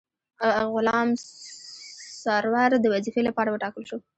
غلام سرور د وظیفې لپاره وټاکل شو.